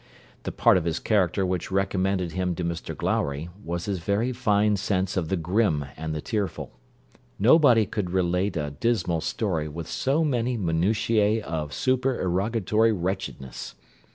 The part of his character which recommended him to Mr Glowry was his very fine sense of the grim and the tearful. No one could relate a dismal story with so many minutiæ of supererogatory wretchedness.